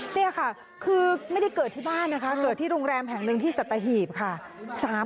นี่ค่ะคือไม่ได้เกิดที่บ้านนะคะเกิดที่โรงแรมแห่งหนึ่งที่สัตหีบค่ะ